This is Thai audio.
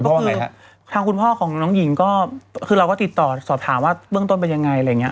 ก็คือทางคุณพ่อของน้องหญิงก็คือเราก็ติดต่อสอบถามว่าเบื้องต้นเป็นยังไงอะไรอย่างนี้